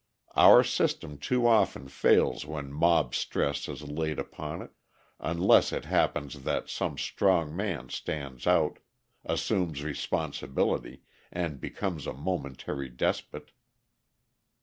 Our system too often fails when mob stress is laid upon it unless it happens that some strong man stands out, assumes responsibility, and becomes a momentary despot.